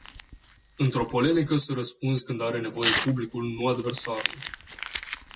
Într-o polemică să răspunzi când are nevoie publicul, nu adversarul.